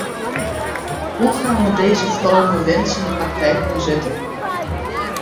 Hoe gaan we deze vrome wens in de praktijk omzetten?